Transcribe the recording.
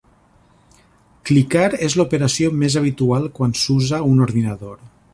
Clicar és l'operació més habitual quan s'usa un ordinador.